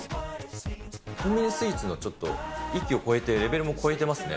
コンビニスイーツのちょっと域を超えている、レベルも超えてますね。